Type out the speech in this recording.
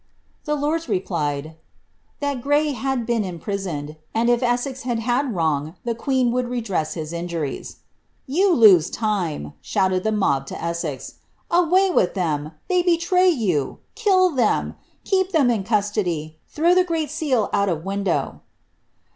^* The lords replied, ^ that Grey had been imprisoned ; and if Essex had had wrong, the queen would redress his injuries." ^ Tou lose time,'' shouted the mob to Essex. ^ Away with them ! They betray you. Rill them ! Keep them in custody. Throw tlie great seal out of window.